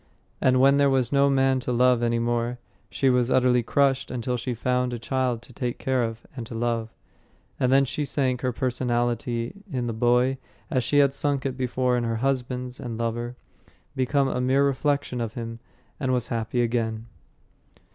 And when there was no man to love any more, she was utterly crushed until she found a child to take care of and to love; and then she sank her personality in the boy as she had sunk it before in her husbands and lover, became a mere reflection of him, and was happy again.